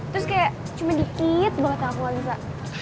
terus kayak cuma dikit banget yang aku gak bisa